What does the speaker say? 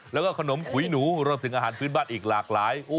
แล้วก็ขนมขุยหนูรวมถึงอาหารพื้นบ้านอีกหลากหลาย